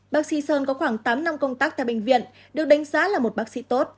bác sĩ sơn có khoảng tám năm công tác tại bệnh viện được đánh giá là một bác sĩ tốt